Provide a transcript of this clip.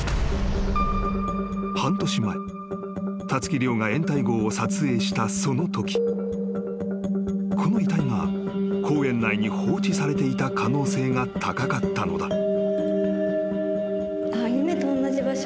［半年前たつき諒が掩体壕を撮影したそのときこの遺体が公園内に放置されていた可能性が高かったのだ］